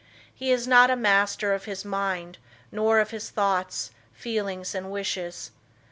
He is not a master of his mind, nor of his thoughts, feelings and wishes.